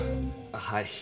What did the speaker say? はい。